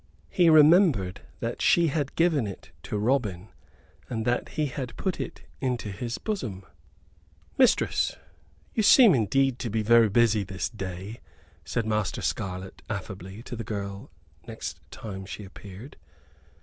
He remembered that she had given it to Robin, and that he had put it into his bosom. "Mistress, you seem indeed to be very busy this day," said Master Scarlett, affably, to the girl next time she appeared.